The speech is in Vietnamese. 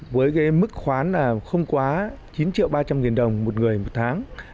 với mức khoán không quá chín ba triệu đồng một người một tháng